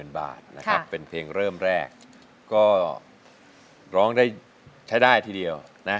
การบังทิศ